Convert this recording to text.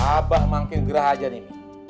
abah makin gerah aja nih